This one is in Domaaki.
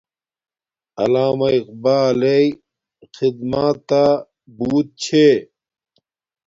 علامہ اقبالݵ خدماتا بوت چھے